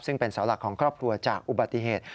ซึ่งเป็นเสาหลักของครอบครัวจากอุบัติเหตุ